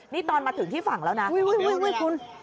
นี่ตอนมาถึงที่ฝั่งแล้วนะอุ้ยอุ้ยอุ้ยคุณ